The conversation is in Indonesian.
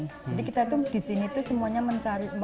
jadi kita tuh disini tuh semuanya mencari